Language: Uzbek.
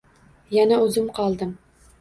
Yana o`zim qoldim